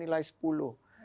dia mendapatkan nilai sepuluh